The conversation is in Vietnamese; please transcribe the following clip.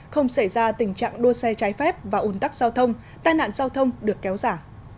không xảy ra tình trạng đua xe trái phép và ủn tắc giao thông tai nạn giao thông được kéo giả